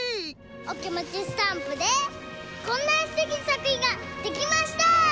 「おきもちスタンプ」でこんなすてきなさくひんができました！